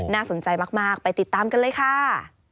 น่าสนใจมากไปติดตามกันเลยค่ะ